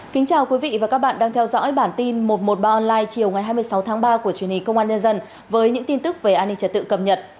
kính chào quý vị và các bạn đang theo dõi bản tin một trăm một mươi ba online chiều ngày hai mươi sáu tháng ba của truyền hình công an nhân dân với những tin tức về an ninh trật tự cập nhật